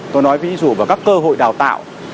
tôi nói ví dụ vào các cơ hội đào tạo